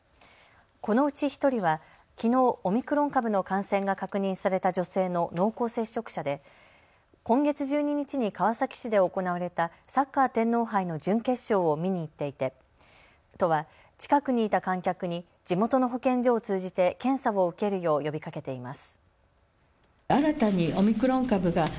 このうち１人はきのうオミクロン株の感染が確認された女性の濃厚接触者で今月１２日に川崎市で行われたサッカー天皇杯の準決勝を見に行っていて都は近くにいた観客に地元の保健所を通じて検査を受けるよう呼びかけています。